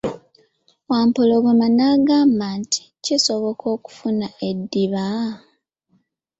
Wampologoma n'agamba nti, kisoboka okufuna eddiba?